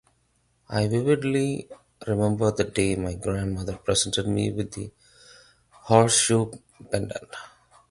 I vividly remember the day my grandmother presented me with the horseshoe pendant.